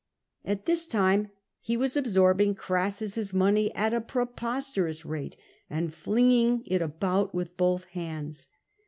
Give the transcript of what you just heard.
At this time he was absorbing Crassus's money at a pre posterous rate, and flinging it about with both hands.